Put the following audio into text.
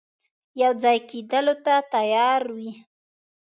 یو ځای کېدلو ته تیار وي.